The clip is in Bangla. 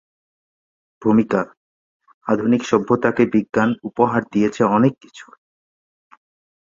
ভূমিকা: আধুনিক সভ্যতাকে বিজ্ঞান উপহার দিয়েছে অনেক কিছু।